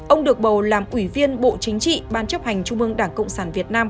ông được bầu làm ủy viên bộ chính trị ban chấp hành trung ương đảng cộng sản việt nam